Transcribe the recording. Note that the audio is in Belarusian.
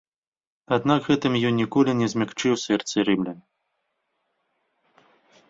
Аднак гэтым ён ніколі не змякчыў сэрцы рымлян.